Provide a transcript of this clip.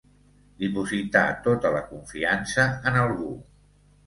Dipositar tota la confiança en algú.